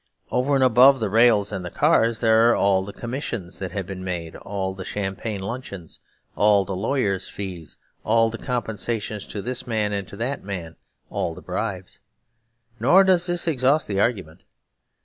Over and above the rails and the cars, there are all the commissions that have been made, all the champagne luncheons, all the lawyers' fees, all the compensations to this man and to that man, all the bribes. Nor does this exhaust the argument.